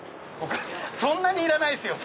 そんなにいらないですよ。